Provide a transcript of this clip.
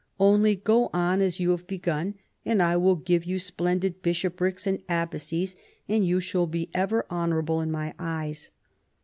Only go on as you have begun, and I will give you splendid bishoprics and abbacies, and you shall be ever honorable in my eyes."